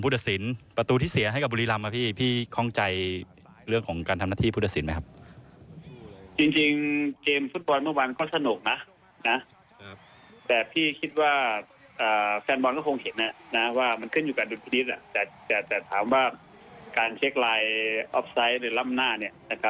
ว่ากรรมการก็คงจะจะไม่ได้ตั้งใจนะเพราะว่าครับพี่ก็มองว่าวันนี้น่ะ